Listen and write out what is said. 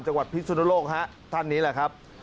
พิสุนโลกฮะท่านนี้แหละครับ